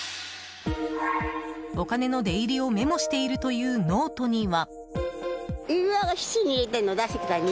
お金の出入りをメモしているというノートには。